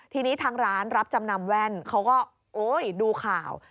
ทีนี้ทางร้านรับจำนำแว่นเขาก็โอ้ยดูข่าว